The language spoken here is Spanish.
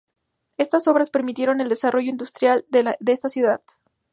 Estas obras permitieron el desarrollo industrial de esa ciudad.